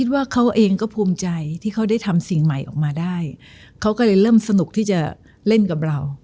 ว่าเขาเองก็ภูมิใจที่เขาได้ทำสิ่งใหม่ออกมาได้เขาก็เลยเริ่มสนุกที่จะเล่นกับเรา